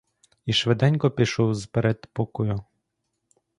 І швиденько пішов з передпокою.